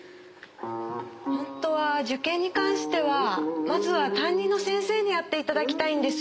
本当は受験に関してはまずは担任の先生にやって頂きたいんです。